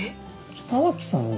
北脇さんに？